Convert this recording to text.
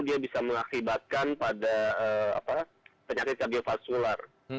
dia bisa mengakibatkan pada penyakit kardiofaskular